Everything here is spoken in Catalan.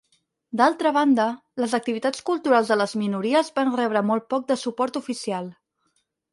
D'altra banda, les activitats culturals de les minories van rebre molt poc de suport oficial.